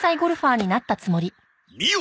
見よ！